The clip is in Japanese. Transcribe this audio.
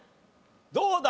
どうだ？